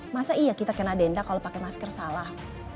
masa iya kita kena denda kalau pakai masker salah